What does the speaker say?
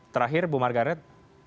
terakhir bu margaret